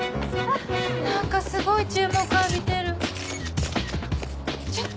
何かすごい注目浴びてるちょっ。